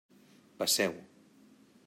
Passeu.